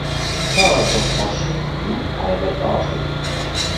çawa bi xweşik min erebe diajot.